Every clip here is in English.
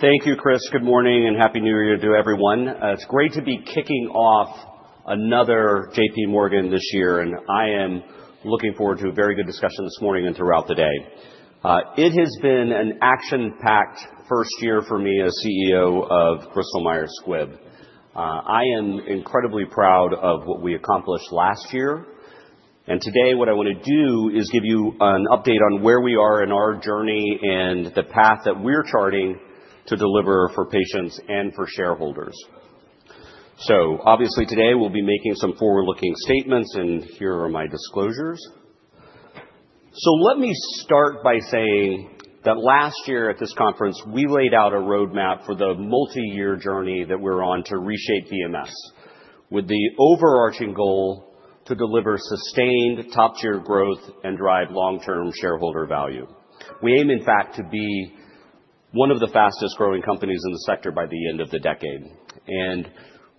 Thank you, Chris. Good morning and happy New Year to everyone. It's great to be kicking off another J.P.Morgan this year, and I am looking forward to a very good discussion this morning and throughout the day. It has been an action-packed first year for me as CEO of Bristol Myers Squibb. I am incredibly proud of what we accomplished last year. And today, what I want to do is give you an update on where we are in our journey and the path that we're charting to deliver for patients and for shareholders. So obviously today, we'll be making some forward-looking statements, and here are my disclosures. So let me start by saying that last year at this conference, we laid out a roadmap for the multi-year journey that we're on to reshape BMS, with the overarching goal to deliver sustained top-tier growth and drive long-term shareholder value. We aim, in fact, to be one of the fastest-growing companies in the sector by the end of the decade. And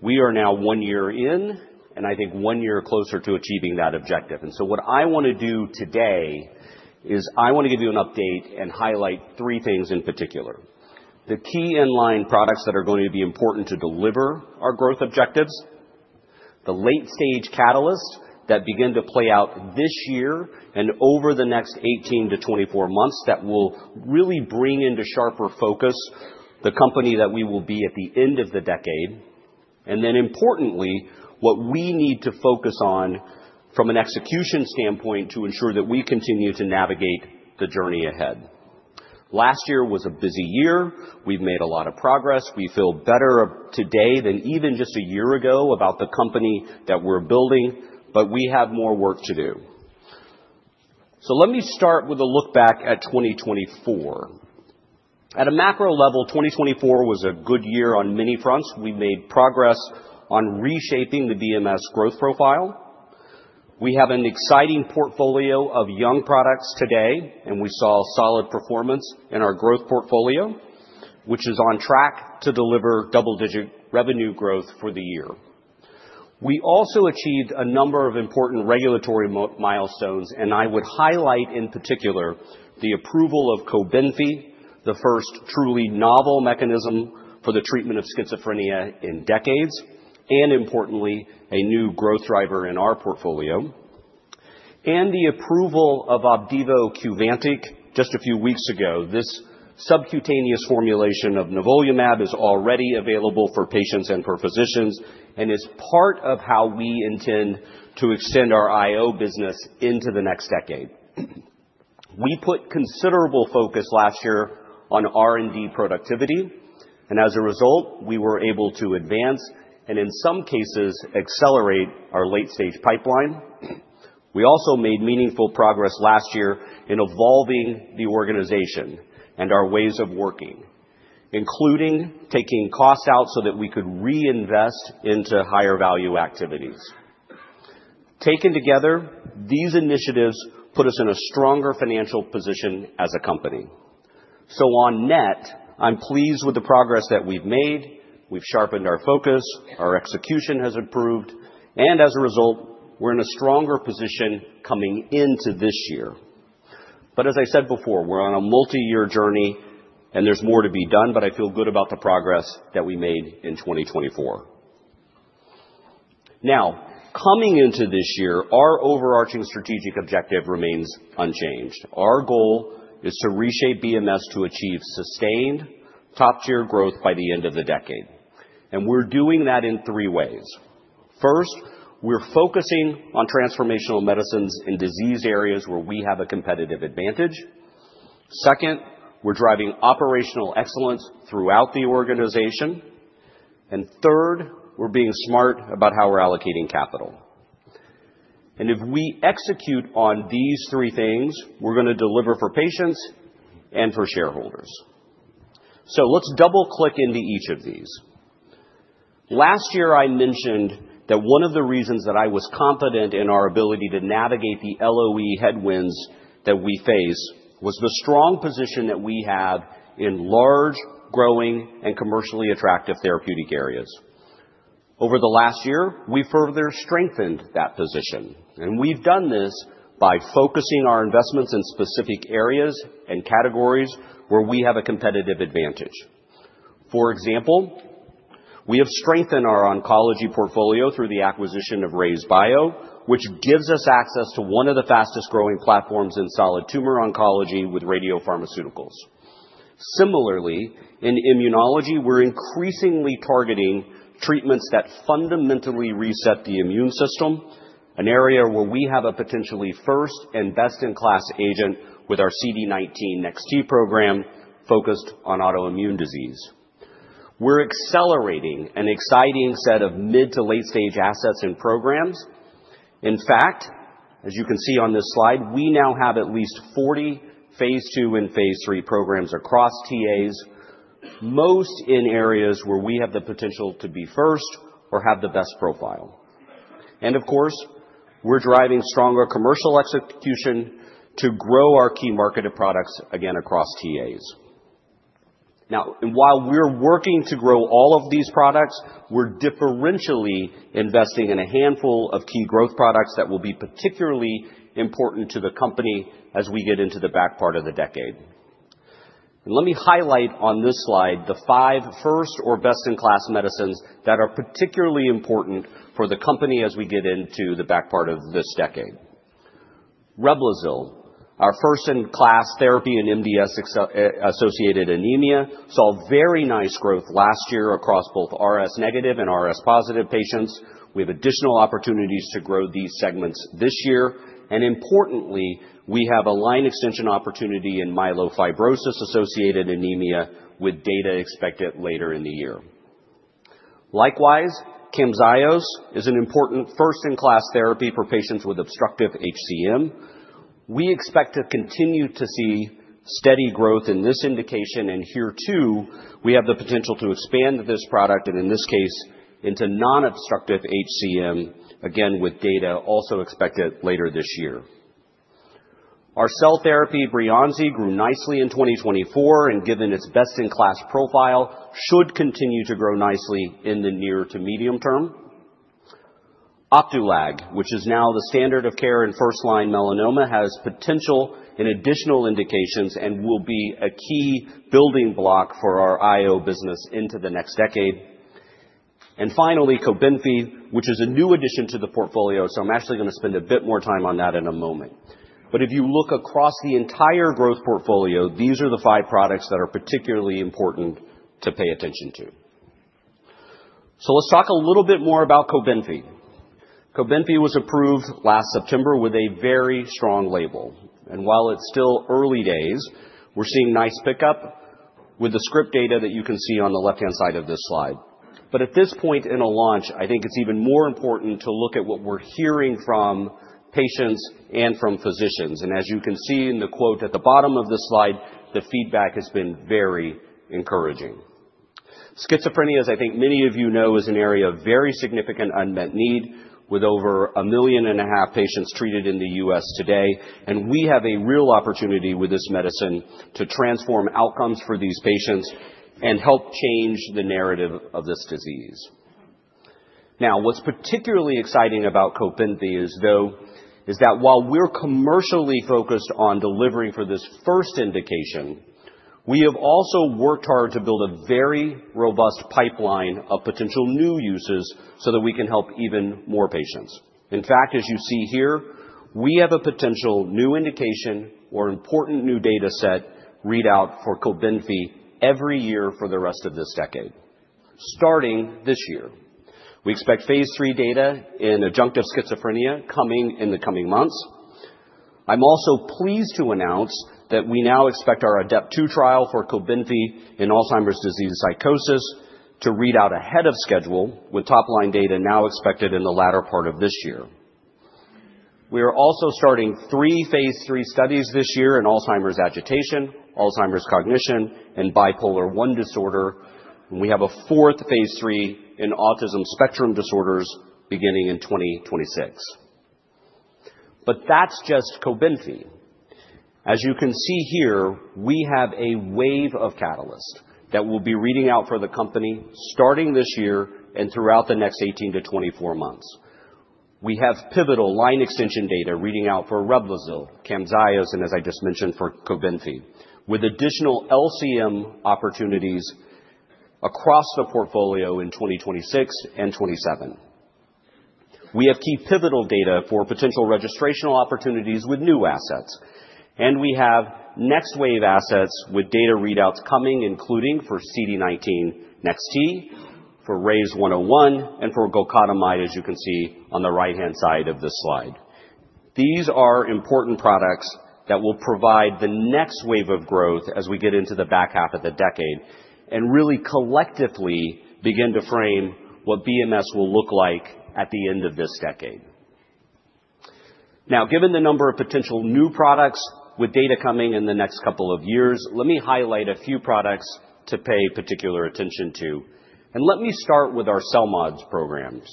we are now one year in, and I think one year closer to achieving that objective. And so what I want to do today is I want to give you an update and highlight three things in particular: the key inline products that are going to be important to deliver our growth objectives, the late-stage catalysts that begin to play out this year and over the next 18 to 24 months that will really bring into sharper focus the company that we will be at the end of the decade, and then importantly, what we need to focus on from an execution standpoint to ensure that we continue to navigate the journey ahead. Last year was a busy year. We've made a lot of progress. We feel better today than even just a year ago about the company that we're building, but we have more work to do, so let me start with a look back at 2024. At a macro level, 2024 was a good year on many fronts. We made progress on reshaping the BMS growth profile. We have an exciting portfolio of young products today, and we saw solid performance in our growth portfolio, which is on track to deliver double-digit revenue growth for the year. We also achieved a number of important regulatory milestones, and I would highlight in particular the approval of Cobenfy, the first truly novel mechanism for the treatment of schizophrenia in decades, and importantly, a new growth driver in our portfolio, and the approval of Opdivo Qvantic just a few weeks ago. This subcutaneous formulation of Nivolumab is already available for patients and for physicians and is part of how we intend to extend our IO business into the next decade. We put considerable focus last year on R&D productivity, and as a result, we were able to advance and in some cases accelerate our late-stage pipeline. We also made meaningful progress last year in evolving the organization and our ways of working, including taking costs out so that we could reinvest into higher value activities. Taken together, these initiatives put us in a stronger financial position as a company. So on net, I'm pleased with the progress that we've made. We've sharpened our focus. Our execution has improved. And as a result, we're in a stronger position coming into this year. But as I said before, we're on a multi-year journey, and there's more to be done, but I feel good about the progress that we made in 2024. Now, coming into this year, our overarching strategic objective remains unchanged. Our goal is to reshape BMS to achieve sustained top-tier growth by the end of the decade. And we're doing that in three ways. First, we're focusing on transformational medicines in disease areas where we have a competitive advantage. Second, we're driving operational excellence throughout the organization. And third, we're being smart about how we're allocating capital. And if we execute on these three things, we're going to deliver for patients and for shareholders. So let's double-click into each of these. Last year, I mentioned that one of the reasons that I was confident in our ability to navigate the LOE headwinds that we face was the strong position that we have in large, growing, and commercially attractive therapeutic areas. Over the last year, we further strengthened that position. We've done this by focusing our investments in specific areas and categories where we have a competitive advantage. For example, we have strengthened our oncology portfolio through the acquisition of RayzeBio, which gives us access to one of the fastest-growing platforms in solid tumor oncology with radiopharmaceuticals. Similarly, in immunology, we're increasingly targeting treatments that fundamentally reset the immune system, an area where we have a potentially first and best-in-class agent with our CD19 NEX-T program focused on autoimmune disease. We're accelerating an exciting set of mid- to late-stage assets and programs. In fact, as you can see on this slide, we now have at least 40 phase 2 and phase 3 programs across TAs, most in areas where we have the potential to be first or have the best profile. And of course, we're driving stronger commercial execution to grow our key marketed products again across TAs. Now, while we're working to grow all of these products, we're differentially investing in a handful of key growth products that will be particularly important to the company as we get into the back part of the decade. And let me highlight on this slide the five first or best-in-class medicines that are particularly important for the company as we get into the back part of this decade. Reblozyl, our first-in-class therapy in MDS-associated anemia, saw very nice growth last year across both RS-negative and RS-positive patients. We have additional opportunities to grow these segments this year, and importantly, we have a line extension opportunity in myelofibrosis-associated anemia with data expected later in the year. Likewise, Camzyos is an important first-in-class therapy for patients with obstructive HCM. We expect to continue to see steady growth in this indication, and here too, we have the potential to expand this product, and in this case, into non-obstructive HCM, again with data also expected later this year. Our cell therapy, Breyanzi, grew nicely in 2024 and, given its best-in-class profile, should continue to grow nicely in the near to medium term. Opdualag, which is now the standard of care in first-line melanoma, has potential in additional indications and will be a key building block for our IO business into the next decade. And finally, Cobenfy, which is a new addition to the portfolio, so I'm actually going to spend a bit more time on that in a moment. But if you look across the entire growth portfolio, these are the five products that are particularly important to pay attention to. So let's talk a little bit more about Cobenfy. Cobenfy was approved last September with a very strong label. And while it's still early days, we're seeing nice pickup with the script data that you can see on the left-hand side of this slide. But at this point in a launch, I think it's even more important to look at what we're hearing from patients and from physicians. And as you can see in the quote at the bottom of this slide, the feedback has been very encouraging. Schizophrenia, as I think many of you know, is an area of very significant unmet need with over a million and a half patients treated in the U.S. today. And we have a real opportunity with this medicine to transform outcomes for these patients and help change the narrative of this disease. Now, what's particularly exciting about Cobenfy is that while we're commercially focused on delivering for this first indication, we have also worked hard to build a very robust pipeline of potential new uses so that we can help even more patients. In fact, as you see here, we have a potential new indication or important new data set readout for Cobenfy every year for the rest of this decade, starting this year. We expect phase three data in adjunctive schizophrenia coming in the coming months. I'm also pleased to announce that we now expect our ADEPT-2 trial for Cobenfy in Alzheimer's disease psychosis to read out ahead of schedule with top-line data now expected in the latter part of this year. We are also starting three phase 3 studies this year in Alzheimer's agitation, Alzheimer's cognition, and bipolar I disorder, and we have a fourth phase 3 in autism spectrum disorders beginning in 2026, but that's just Cobenfy. As you can see here, we have a wave of catalysts that will be reading out for the company starting this year and throughout the next 18-24 months. We have pivotal line extension data reading out for Reblozyl, Camzyos, and as I just mentioned, for Cobenfy, with additional LCM opportunities across the portfolio in 2026 and 2027. We have key pivotal data for potential registrational opportunities with new assets. We have next wave assets with data readouts coming, including for CD19 nex-T, for RYZ101, and for Golcadomide, as you can see on the right-hand side of this slide. These are important products that will provide the next wave of growth as we get into the back half of the decade and really collectively begin to frame what BMS will look like at the end of this decade. Now, given the number of potential new products with data coming in the next couple of years, let me highlight a few products to pay particular attention to. Let me start with our CELMoD programs.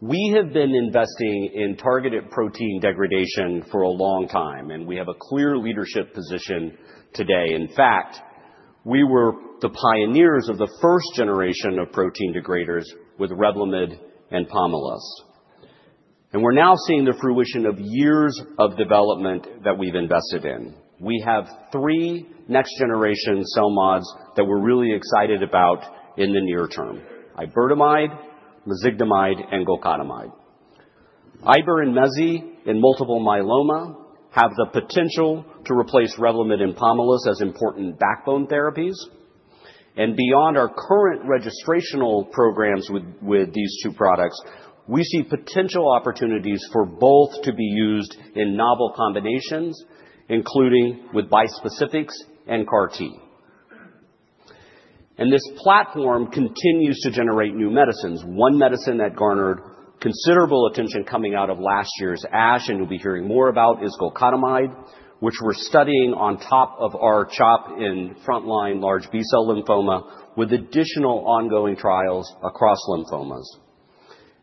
We have been investing in targeted protein degradation for a long time, and we have a clear leadership position today. In fact, we were the pioneers of the first generation of protein degraders with Revlimid and Pomalyst. We're now seeing the fruition of years of development that we've invested in. We have three next-generation CELMoDs that we're really excited about in the near term: Iberdomide, Mezigdomide, and Golcadomide. Iberdomide in multiple myeloma have the potential to replace Revlimid and Pomalyst as important backbone therapies. And beyond our current registrational programs with these two products, we see potential opportunities for both to be used in novel combinations, including with bispecifics and CAR-T. And this platform continues to generate new medicines. One medicine that garnered considerable attention coming out of last year's ASH, and you'll be hearing more about, is Golcadomide, which we're studying on top of our CHOP in frontline large B-cell lymphoma with additional ongoing trials across lymphomas.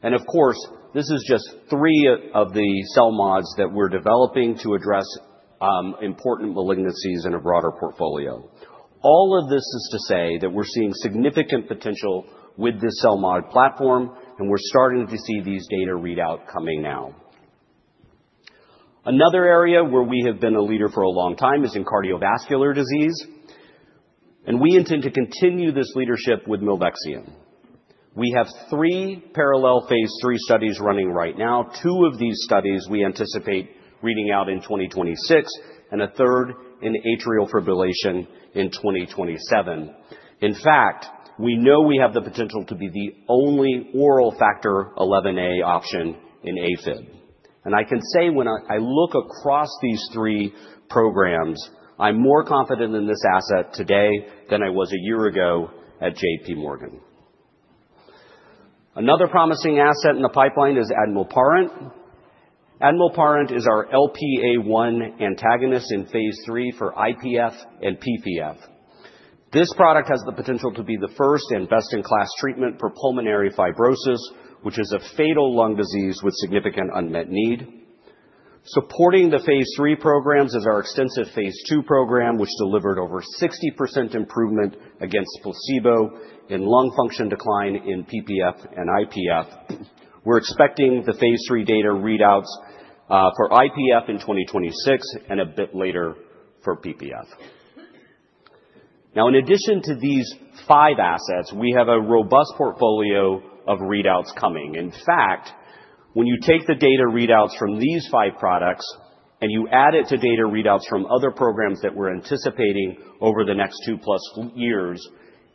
And of course, this is just three of the CELMoDs that we're developing to address important malignancies in a broader portfolio. All of this is to say that we're seeing significant potential with this CELMoD platform, and we're starting to see these data readouts coming now. Another area where we have been a leader for a long time is in cardiovascular disease, and we intend to continue this leadership with Milvexian. We have three parallel phase 3 studies running right now. Two of these studies we anticipate reading out in 2026, and a third in atrial fibrillation in 2027. In fact, we know we have the potential to be the only oral Factor XIa option in AFib, and I can say when I look across these three programs, I'm more confident in this asset today than I was a year ago at J.P.Morgan. Another promising asset in the pipeline is Admilparant. Admilparant is our LPA1 antagonist in phase 3 for IPF and PPF. This product has the potential to be the first and best-in-class treatment for pulmonary fibrosis, which is a fatal lung disease with significant unmet need. Supporting the phase three programs is our extensive phase two program, which delivered over 60% improvement against placebo in lung function decline in PPF and IPF. We're expecting the phase three data readouts for IPF in 2026 and a bit later for PPF. Now, in addition to these five assets, we have a robust portfolio of readouts coming. In fact, when you take the data readouts from these five products and you add it to data readouts from other programs that we're anticipating over the next two plus years,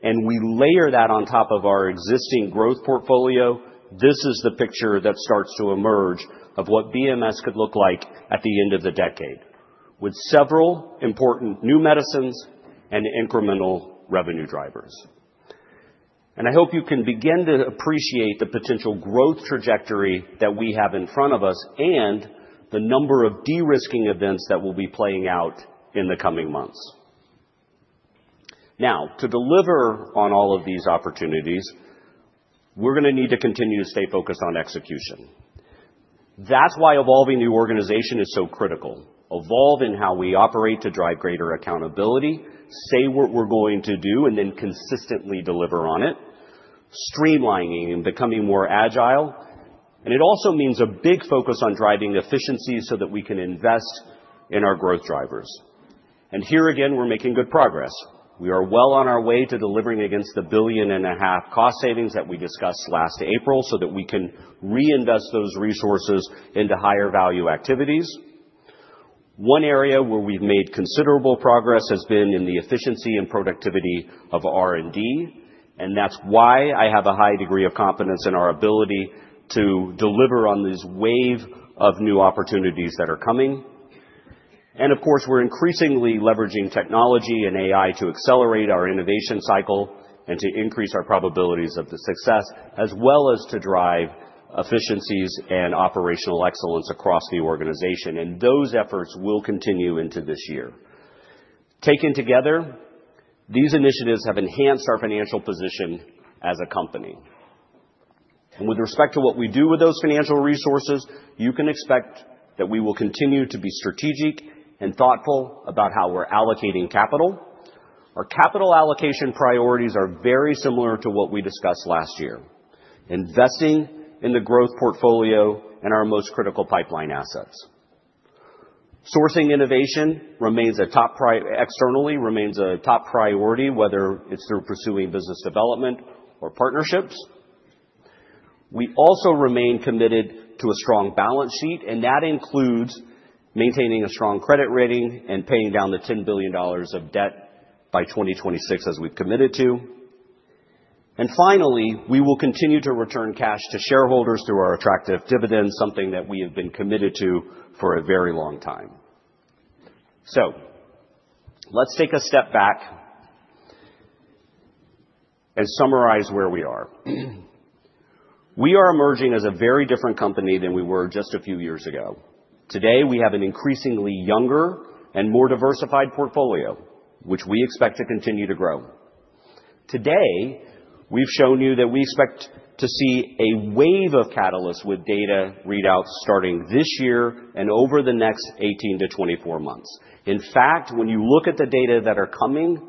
and we layer that on top of our existing growth portfolio, this is the picture that starts to emerge of what BMS could look like at the end of the decade with several important new medicines and incremental revenue drivers, and I hope you can begin to appreciate the potential growth trajectory that we have in front of us and the number of de-risking events that will be playing out in the coming months. Now, to deliver on all of these opportunities, we're going to need to continue to stay focused on execution. That's why evolving the organization is so critical. Evolve in how we operate to drive greater accountability, say what we're going to do, and then consistently deliver on it, streamlining and becoming more agile. And it also means a big focus on driving efficiency so that we can invest in our growth drivers. And here again, we're making good progress. We are well on our way to delivering against the $1.5 billion cost savings that we discussed last April so that we can reinvest those resources into higher value activities. One area where we've made considerable progress has been in the efficiency and productivity of R&D. And that's why I have a high degree of confidence in our ability to deliver on this wave of new opportunities that are coming. And of course, we're increasingly leveraging technology and AI to accelerate our innovation cycle and to increase our probabilities of the success, as well as to drive efficiencies and operational excellence across the organization. And those efforts will continue into this year. Taken together, these initiatives have enhanced our financial position as a company. And with respect to what we do with those financial resources, you can expect that we will continue to be strategic and thoughtful about how we're allocating capital. Our capital allocation priorities are very similar to what we discussed last year: investing in the growth portfolio and our most critical pipeline assets. Sourcing innovation remains a top priority externally, whether it's through pursuing business development or partnerships. We also remain committed to a strong balance sheet, and that includes maintaining a strong credit rating and paying down the $10 billion of debt by 2026, as we've committed to. And finally, we will continue to return cash to shareholders through our attractive dividends, something that we have been committed to for a very long time. So let's take a step back and summarize where we are. We are emerging as a very different company than we were just a few years ago. Today, we have an increasingly younger and more diversified portfolio, which we expect to continue to grow. Today, we've shown you that we expect to see a wave of catalysts with data readouts starting this year and over the next 18-24 months. In fact, when you look at the data that are coming,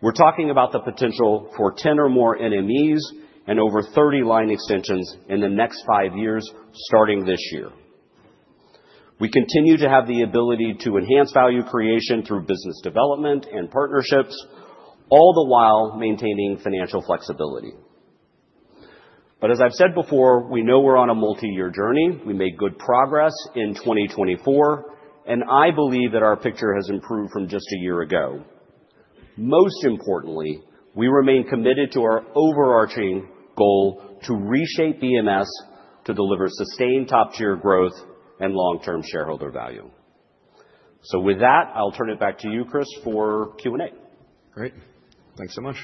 we're talking about the potential for 10 or more NMEs and over 30 line extensions in the next five years starting this year. We continue to have the ability to enhance value creation through business development and partnerships, all the while maintaining financial flexibility. But as I've said before, we know we're on a multi-year journey. We made good progress in 2024, and I believe that our picture has improved from just a year ago. Most importantly, we remain committed to our overarching goal to reshape BMS to deliver sustained top-tier growth and long-term shareholder value. So with that, I'll turn it back to you, Chris, for Q&A. Great. Thanks so much.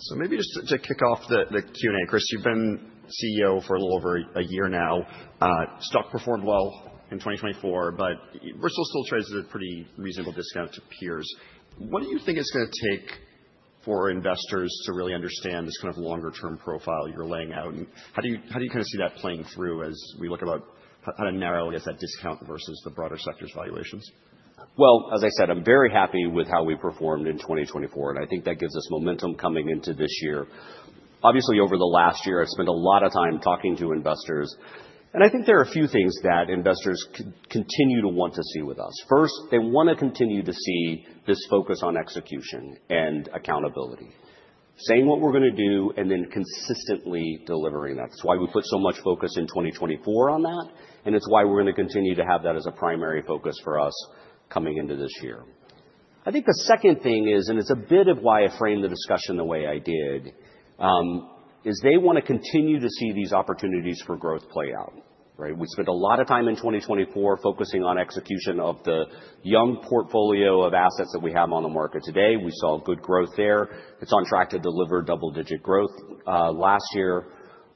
So maybe just to kick off the Q&A, Chris, you've been CEO for a little over a year now. Stock performed well in 2024, but Bristol still trades at a pretty reasonable discount to peers. What do you think it's going to take for investors to really understand this kind of longer-term profile you're laying out? And how do you kind of see that playing through as we look about how to narrow, I guess, that discount versus the broader sector's valuations? Well, as I said, I'm very happy with how we performed in 2024, and I think that gives us momentum coming into this year. Obviously, over the last year, I've spent a lot of time talking to investors, and I think there are a few things that investors continue to want to see with us. First, they want to continue to see this focus on execution and accountability, saying what we're going to do and then consistently delivering that. That's why we put so much focus in 2024 on that, and it's why we're going to continue to have that as a primary focus for us coming into this year. I think the second thing is, and it's a bit of why I framed the discussion the way I did, is they want to continue to see these opportunities for growth play out. We spent a lot of time in 2024 focusing on execution of the young portfolio of assets that we have on the market today. We saw good growth there. It's on track to deliver double-digit growth last year.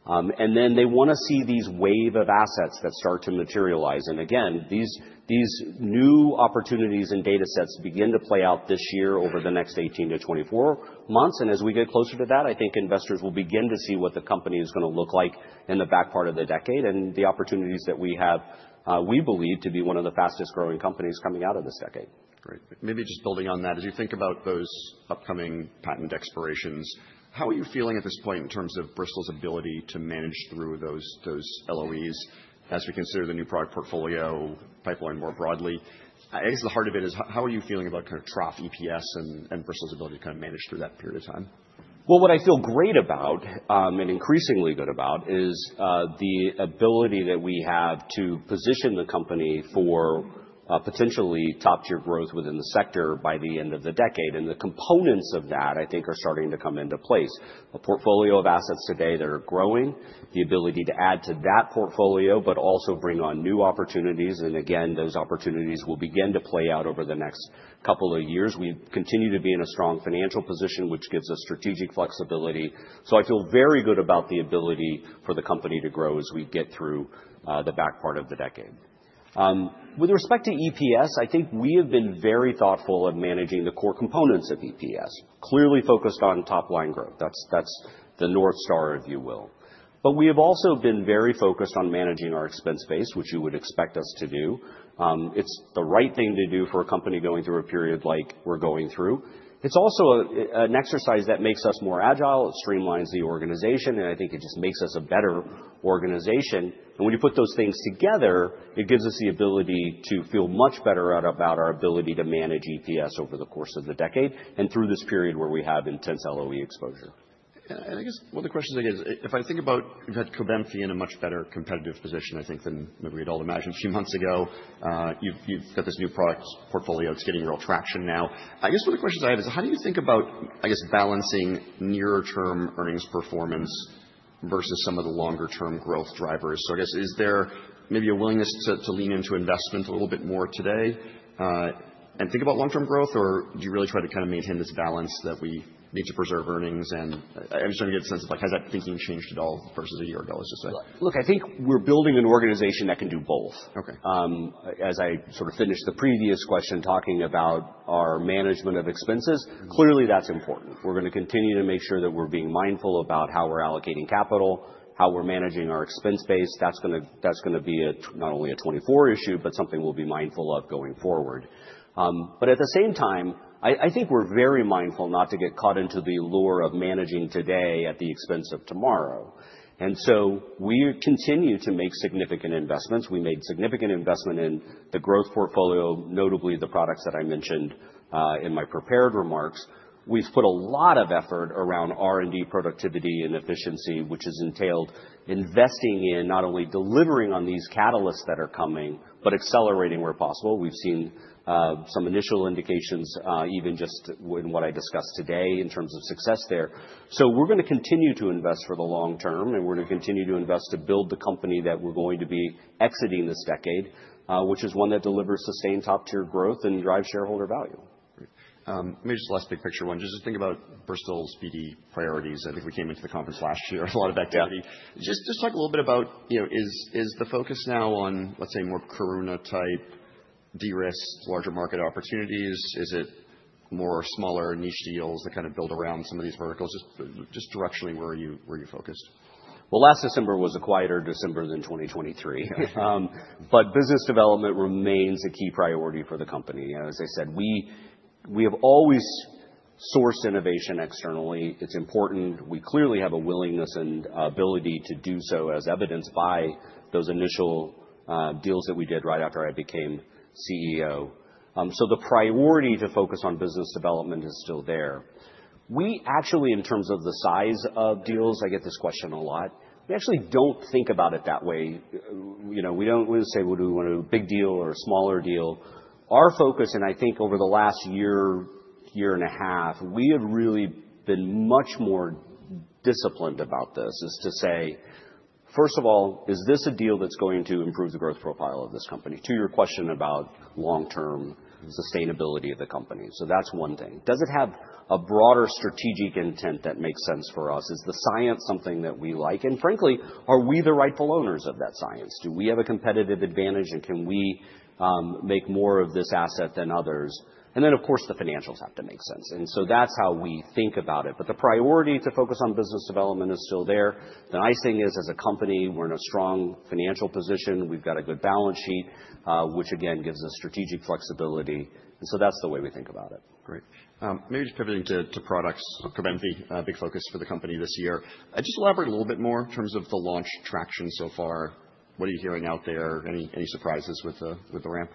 And then they want to see these wave of assets that start to materialize. And again, these new opportunities and data sets begin to play out this year over the next 18 to 24 months. As we get closer to that, I think investors will begin to see what the company is going to look like in the back part of the decade and the opportunities that we have, we believe, to be one of the fastest-growing companies coming out of this decade. Great. Maybe just building on that, as you think about those upcoming patent expirations, how are you feeling at this point in terms of Bristol's ability to manage through those LOEs as we consider the new product portfolio pipeline more broadly? I guess the heart of it is how are you feeling about kind of trough EPS and Bristol's ability to kind of manage through that period of time? Well, what I feel great about and increasingly good about is the ability that we have to position the company for potentially top-tier growth within the sector by the end of the decade. And the components of that, I think, are starting to come into place. A portfolio of assets today that are growing, the ability to add to that portfolio, but also bring on new opportunities. And again, those opportunities will begin to play out over the next couple of years. We continue to be in a strong financial position, which gives us strategic flexibility. So I feel very good about the ability for the company to grow as we get through the back part of the decade. With respect to EPS, I think we have been very thoughtful of managing the core components of EPS, clearly focused on top-line growth. That's the north star, if you will. We have also been very focused on managing our expense base, which you would expect us to do. It's the right thing to do for a company going through a period like we're going through. It's also an exercise that makes us more agile. It streamlines the organization, and I think it just makes us a better organization. When you put those things together, it gives us the ability to feel much better about our ability to manage EPS over the course of the decade and through this period where we have intense LOE exposure. I guess one of the questions I get is, if I think about you've had Cobenfy in a much better competitive position, I think, than maybe we'd all imagined a few months ago. You've got this new product portfolio. It's getting real traction now. I guess one of the questions I have is, how do you think about, I guess, balancing near-term earnings performance versus some of the longer-term growth drivers? So I guess, is there maybe a willingness to lean into investment a little bit more today and think about long-term growth, or do you really try to kind of maintain this balance that we need to preserve earnings? And I'm just trying to get a sense of, like, has that thinking changed at all versus a year ago, let's just say? Look, I think we're building an organization that can do both. As I sort of finished the previous question talking about our management of expenses, clearly that's important. We're going to continue to make sure that we're being mindful about how we're allocating capital, how we're managing our expense base. That's going to be not only a 2024 issue, but something we'll be mindful of going forward. But at the same time, I think we're very mindful not to get caught into the lure of managing today at the expense of tomorrow. And so we continue to make significant investments. We made significant investment in the growth portfolio, notably the products that I mentioned in my prepared remarks. We've put a lot of effort around R&D productivity and efficiency, which has entailed investing in not only delivering on these catalysts that are coming, but accelerating where possible. We've seen some initial indications even just in what I discussed today in terms of success there. So we're going to continue to invest for the long term, and we're going to continue to invest to build the company that we're going to be exiting this decade, which is one that delivers sustained top-tier growth and drives shareholder value. Great. Maybe just the last big picture one. Just as you think about Bristol's BD priorities, I think we came into the conference last year, a lot of activity. Just talk a little bit about, is the focus now on, let's say, more Karuna-type de-risk, larger market opportunities? Is it more smaller niche deals that kind of build around some of these verticals? Just directionally, where are you focused? Well, last December was a quieter December than 2023. But business development remains a key priority for the company. As I said, we have always sourced innovation externally. It's important. We clearly have a willingness and ability to do so, as evidenced by those initial deals that we did right after I became CEO. So the priority to focus on business development is still there. We actually, in terms of the size of deals, I get this question a lot. We actually don't think about it that way. We don't say, "Would we want to do a big deal or a smaller deal?" Our focus, and I think over the last year, year and a half, we have really been much more disciplined about this, is to say, first of all, is this a deal that's going to improve the growth profile of this company? To your question about long-term sustainability of the company, so that's one thing. Does it have a broader strategic intent that makes sense for us? Is the science something that we like? And frankly, are we the rightful owners of that science? Do we have a competitive advantage, and can we make more of this asset than others? And then, of course, the financials have to make sense. And so that's how we think about it. But the priority to focus on business development is still there. The nice thing is, as a company, we're in a strong financial position. We've got a good balance sheet, which, again, gives us strategic flexibility. And so that's the way we think about it. Great. Maybe just pivoting to products. Cobenfy, big focus for the company this year. Just elaborate a little bit more in terms of the launch traction so far. What are you hearing out there? Any surprises with the ramp?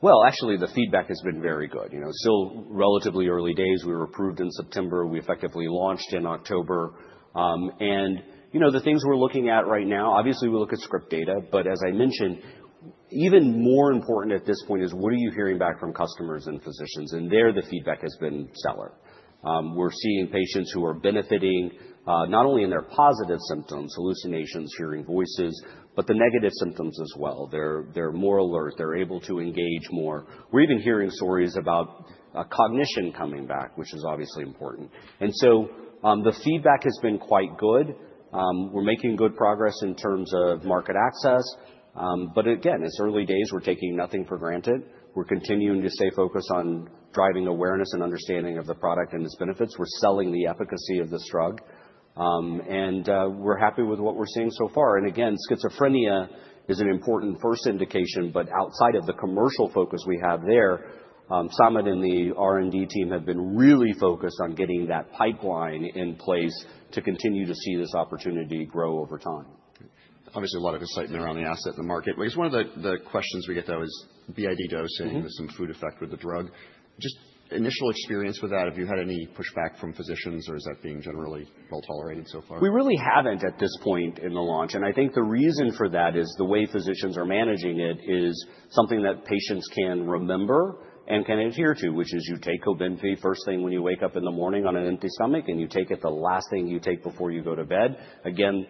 Well, actually, the feedback has been very good. Still relatively early days. We were approved in September. We effectively launched in October. And the things we're looking at right now, obviously, we look at script data. But as I mentioned, even more important at this point is what are you hearing back from customers and physicians? And there, the feedback has been stellar. We're seeing patients who are benefiting not only in their positive symptoms, hallucinations, hearing voices, but the negative symptoms as well. They're more alert. They're able to engage more. We're even hearing stories about cognition coming back, which is obviously important. And so the feedback has been quite good. We're making good progress in terms of market access. But again, it's early days. We're taking nothing for granted. We're continuing to stay focused on driving awareness and understanding of the product and its benefits. We're selling the efficacy of this drug. And we're happy with what we're seeing so far. And again, schizophrenia is an important first indication. Outside of the commercial focus we have there, Samit and the R&D team have been really focused on getting that pipeline in place to continue to see this opportunity grow over time. Obviously, a lot of excitement around the asset in the market. I guess one of the questions we get, though, is BID dosing with some food effect with the drug. Just initial experience with that, have you had any pushback from physicians, or is that being generally well tolerated so far? We really haven't at this point in the launch. I think the reason for that is the way physicians are managing it is something that patients can remember and can adhere to, which is you take Cobenfy first thing when you wake up in the morning on an empty stomach, and you take it the last thing you take before you go to bed. Again,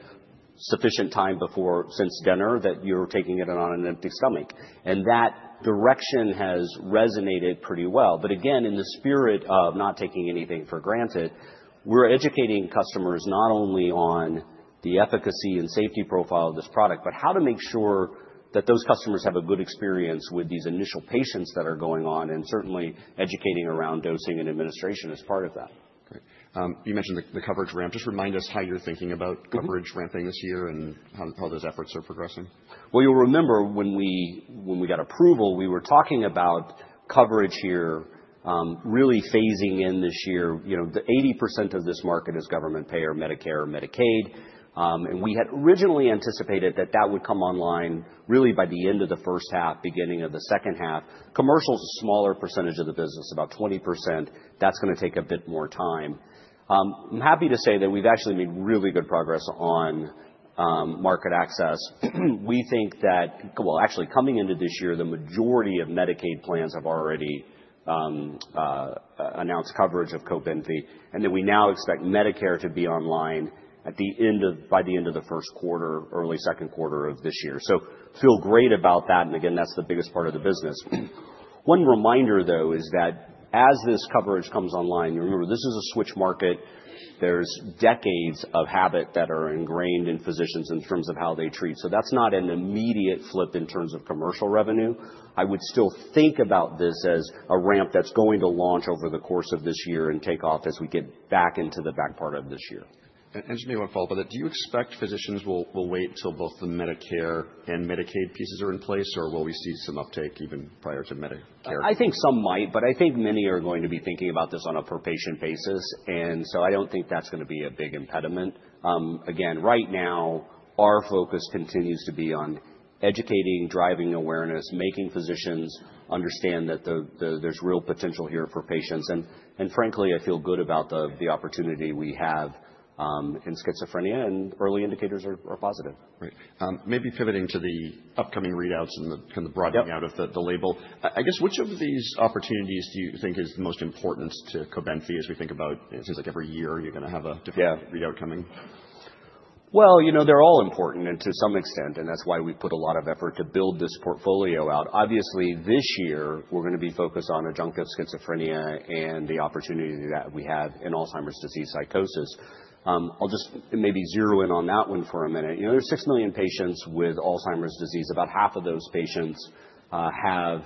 sufficient time before since dinner that you're taking it on an empty stomach. And that direction has resonated pretty well. But again, in the spirit of not taking anything for granted, we're educating customers not only on the efficacy and safety profile of this product, but how to make sure that those customers have a good experience with these initial patients that are going on and certainly educating around dosing and administration as part of that. Great. You mentioned the coverage ramp. Just remind us how you're thinking about coverage ramping this year and how those efforts are progressing. Well, you'll remember when we got approval, we were talking about coverage here really phasing in this year. 80% of this market is government payer, Medicare, Medicaid. And we had originally anticipated that that would come online really by the end of the first half, beginning of the second half. Commercial is a smaller percentage of the business, about 20%. That's going to take a bit more time. I'm happy to say that we've actually made really good progress on market access. We think that, well, actually, coming into this year, the majority of Medicaid plans have already announced coverage of Cobenfy, and that we now expect Medicare to be online by the end of the first quarter, early second quarter of this year, so feel great about that, and again, that's the biggest part of the business. One reminder, though, is that as this coverage comes online, remember, this is a switch market. There's decades of habit that are ingrained in physicians in terms of how they treat, so that's not an immediate flip in terms of commercial revenue. I would still think about this as a ramp that's going to launch over the course of this year and take off as we get back into the back part of this year. And just maybe one follow-up on that. Do you expect physicians will wait until both the Medicare and Medicaid pieces are in place, or will we see some uptake even prior to Medicare? I think some might, but I think many are going to be thinking about this on a per-patient basis. And so I don't think that's going to be a big impediment. Again, right now, our focus continues to be on educating, driving awareness, making physicians understand that there's real potential here for patients. And frankly, I feel good about the opportunity we have in schizophrenia, and early indicators are positive. Right. Maybe pivoting to the upcoming readouts and the broadening out of the label. I guess which of these opportunities do you think is the most important to Cobenfy as we think about it. It seems like every year you're going to have a different readout coming? Well, they're all important to some extent, and that's why we've put a lot of effort to build this portfolio out. Obviously, this year, we're going to be focused on adjunctive schizophrenia and the opportunity that we have in Alzheimer's disease psychosis. I'll just maybe zero in on that one for a minute. There's six million patients with Alzheimer's disease. About half of those patients have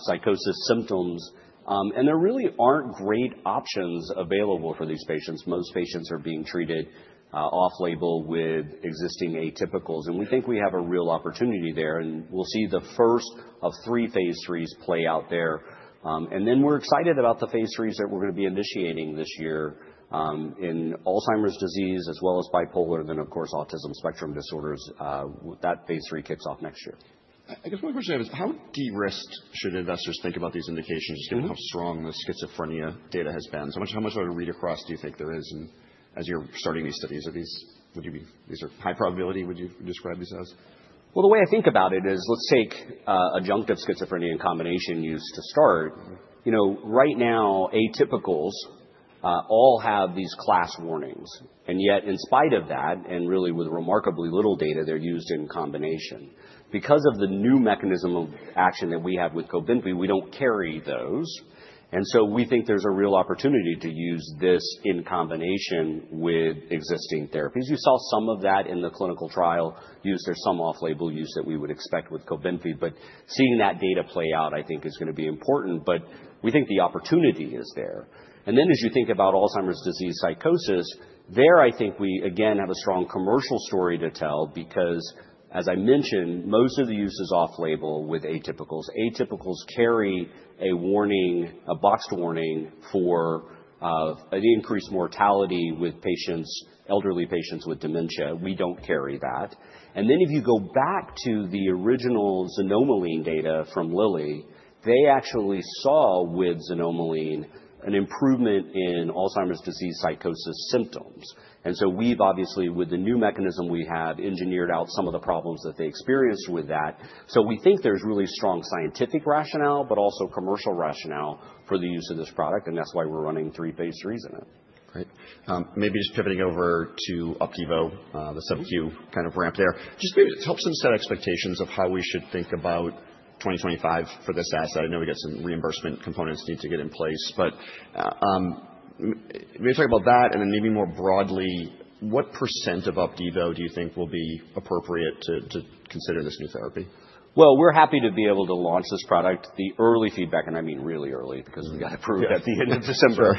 psychosis symptoms. And there really aren't great options available for these patients. Most patients are being treated off-label with existing atypicals. And we think we have a real opportunity there. And we'll see the first of three phase 3s play out there. And then we're excited about the phase 3s that we're going to be initiating this year in Alzheimer's disease as well as bipolar, then, of course, autism spectrum disorders. That phase 3 kicks off next year. I guess one question I have is, how de-risked should investors think about these indications, just given how strong the schizophrenia data has been? How much of a read across do you think there is? And as you're starting these studies, these are high probability. Would you describe these as? Well, the way I think about it is, let's take adjunctive schizophrenia in combination use to start. Right now, atypicals all have these class warnings. And yet, in spite of that, and really with remarkably little data, they're used in combination. Because of the new mechanism of action that we have with Cobenfy, we don't carry those. And so we think there's a real opportunity to use this in combination with existing therapies. You saw some of that in the clinical trial use. There's some off-label use that we would expect with Cobenfy. But seeing that data play out, I think, is going to be important. But we think the opportunity is there. And then, as you think about Alzheimer's disease psychosis, there, I think we, again, have a strong commercial story to tell because, as I mentioned, most of the use is off-label with atypicals. Atypicals carry a warning, a boxed warning for the increased mortality with elderly patients with dementia. We don't carry that. And then, if you go back to the original Xanomeline data from Lilly, they actually saw with Xanomeline an improvement in Alzheimer's disease psychosis symptoms. And so we've, obviously, with the new mechanism we have, engineered out some of the problems that they experienced with that. So we think there's really strong scientific rationale, but also commercial rationale for the use of this product. And that's why we're running three phase threes in it. Great. Maybe just pivoting over to Opdivo, the subQ kind of ramp there. Just maybe to help some set expectations of how we should think about 2025 for this asset. I know we got some reimbursement components need to get in place. But maybe talk about that. And then maybe more broadly, what % of Opdivo do you think will be appropriate to consider this new therapy? Well, we're happy to be able to launch this product. The early feedback, and I mean really early because we got approved at the end of December,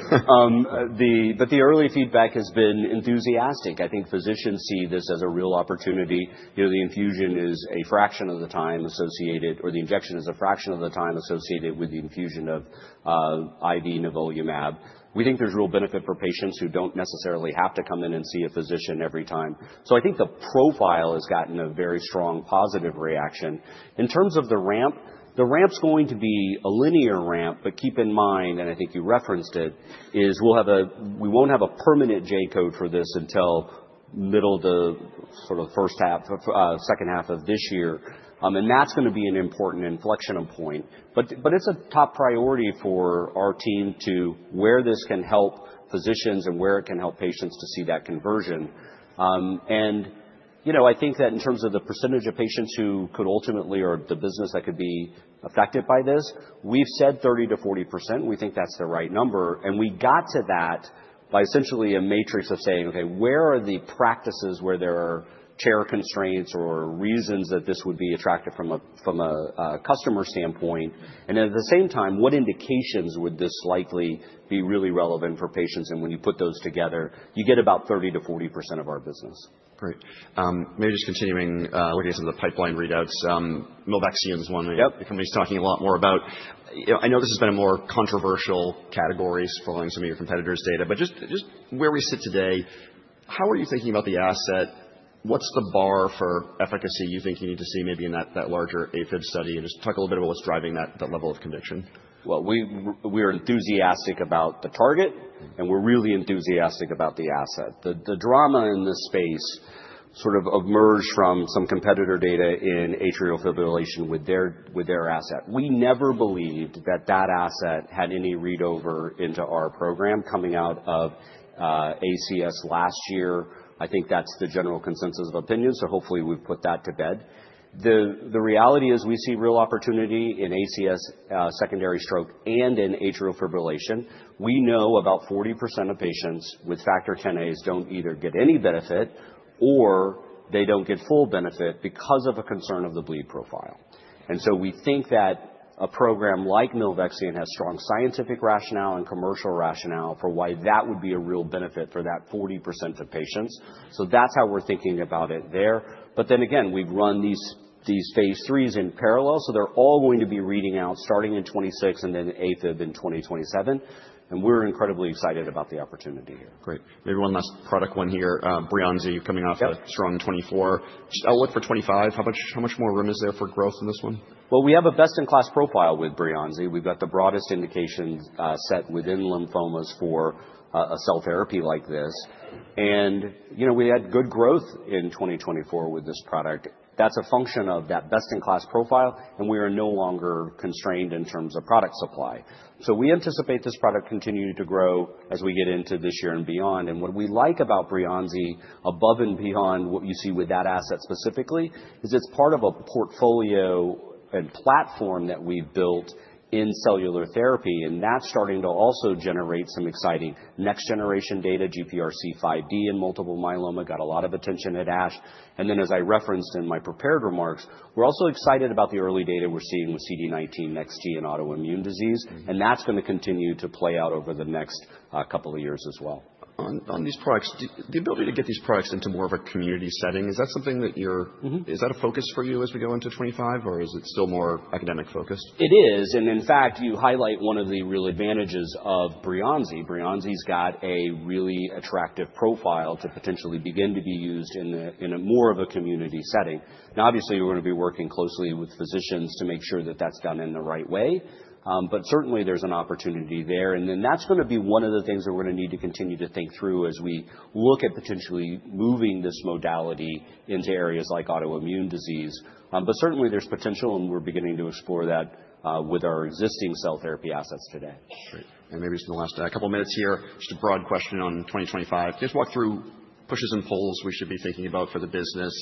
but the early feedback has been enthusiastic. I think physicians see this as a real opportunity. The infusion is a fraction of the time associated, or the injection is a fraction of the time associated with the infusion of IV Nivolumab. We think there's real benefit for patients who don't necessarily have to come in and see a physician every time. So I think the profile has gotten a very strong positive reaction. In terms of the ramp, the ramp's going to be a linear ramp. But keep in mind, and I think you referenced it, is we won't have a permanent J code for this until middle of the sort of first half, second half of this year. And that's going to be an important inflection point. But it's a top priority for our team to where this can help physicians and where it can help patients to see that conversion. I think that in terms of the percentage of patients who could ultimately or the business that could be affected by this, we've said 30%-40%. We think that's the right number. And we got to that by essentially a matrix of saying, "Okay, where are the practices where there are chair constraints or reasons that this would be attractive from a customer standpoint?" And at the same time, what indications would this likely be really relevant for patients? And when you put those together, you get about 30%-40% of our business. Great. Maybe just continuing, looking at some of the pipeline readouts, Milvexian is one that the company's talking a lot more about. I know this has been a more controversial category following some of your competitors' data. But just where we sit today, how are you thinking about the asset? What's the bar for efficacy you think you need to see maybe in that larger AFib study? And just talk a little bit about what's driving that level of conviction. Well, we're enthusiastic about the target, and we're really enthusiastic about the asset. The drama in this space sort of emerged from some competitor data in atrial fibrillation with their asset. We never believed that that asset had any read over into our program coming out of ACS last year. I think that's the general consensus of opinion. So hopefully, we've put that to bed. The reality is we see real opportunity in ACS secondary stroke and in atrial fibrillation. We know about 40% of patients with Factor Xa don't either get any benefit or they don't get full benefit because of a concern of the bleed profile. And so we think that a program like Milvexian has strong scientific rationale and commercial rationale for why that would be a real benefit for that 40% of patients. So that's how we're thinking about it there. But then again, we've run these phase 3s in parallel. So they're all going to be reading out starting in 2026 and then AFib in 2027. And we're incredibly excited about the opportunity here. Great. Maybe one last product one here, Breyanzi, coming off the strong 2024. Outlook for 2025, how much more room is there for growth in this one? Well, we have a best-in-class profile with Breyanzi. We've got the broadest indication set within lymphomas for a cell therapy like this. And we had good growth in 2024 with this product. That's a function of that best-in-class profile. And we are no longer constrained in terms of product supply. So we anticipate this product continuing to grow as we get into this year and beyond. And what we like about Breyanzi, above and beyond what you see with that asset specifically, is it's part of a portfolio and platform that we've built in cellular therapy. And that's starting to also generate some exciting next-generation data, GPRC5D in multiple myeloma, got a lot of attention at ASH. And then, as I referenced in my prepared remarks, we're also excited about the early data we're seeing with CD19 nex-T, and autoimmune disease. And that's going to continue to play out over the next couple of years aswell. On these products, the ability to get these products into more of a community setting, is that something that you're asking? Is that a focus for you as we go into 2025, or is it still more academic focused? It is. And in fact, you highlight one of the real advantages of Breyanzi. Breyanzi's got a really attractive profile to potentially begin to be used in more of a community setting. Now, obviously, we're going to be working closely with physicians to make sure that that's done in the right way. But certainly, there's an opportunity there. And then that's going to be one of the things that we're going to need to continue to think through as we look at potentially moving this modality into areas like autoimmune disease. But certainly, there's potential, and we're beginning to explore that with our existing cell therapy assets today. Great. And maybe just in the last couple of minutes here, just a broad question on 2025. Just walk through pushes and pulls we should be thinking about for the business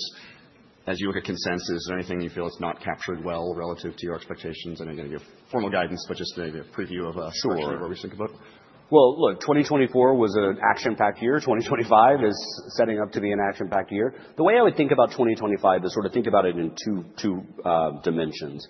as you look at consensus. Is there anything you feel is not captured well relative to your expectations? I know you don't give formal guidance, but just maybe a preview of a picture of what we should think about. Look, 2024 was an action-packed year. 2025 is setting up to be an action-packed year. The way I would think about 2025 is sort of think about it in two dimensions.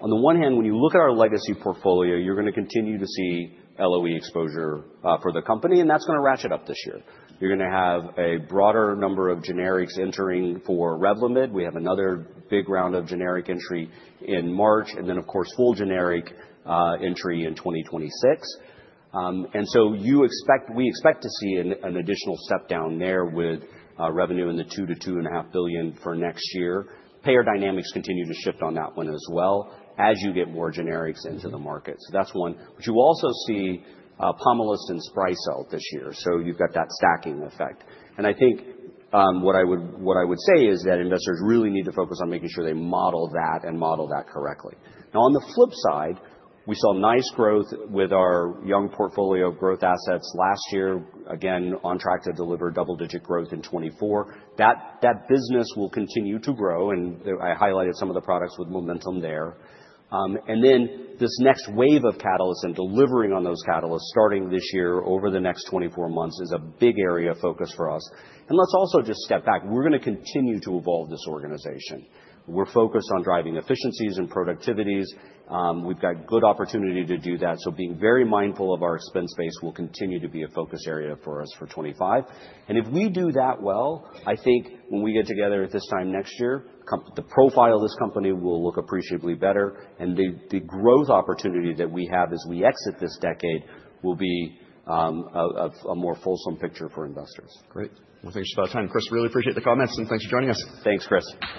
On the one hand, when you look at our legacy portfolio, you're going to continue to see LOE exposure for the company, and that's going to ratchet up this year. You're going to have a broader number of generics entering for Revlimid. We have another big round of generic entry in March, and then, of course, full generic entry in 2026, and so we expect to see an additional step down there with revenue in the $2 billion-$2.5 billion for next year. Payer dynamics continue to shift on that one as well as you get more generics into the market. So that's one. But you also see Pomalyst and Sprycel this year. So you've got that stacking effect. And I think what I would say is that investors really need to focus on making sure they model that and model that correctly. Now, on the flip side, we saw nice growth with our young portfolio of growth assets last year, again, on track to deliver double-digit growth in 2024. That business will continue to grow. And I highlighted some of the products with momentum there. And then this next wave of catalysts and delivering on those catalysts starting this year over the next 24 months is a big area of focus for us. And let's also just step back. We're going to continue to evolve this organization. We're focused on driving efficiencies and productivities. We've got good opportunity to do that. So being very mindful of our expense base will continue to be a focus area for us for 2025. And if we do that well, I think when we get together at this time next year, the profile of this company will look appreciably better. And the growth opportunity that we have as we exit this decade will be a more fulsome picture for investors. Great. Well, thanks for your time, Chris. Really appreciate the comments, and thanks for joining us. Thanks, Chris.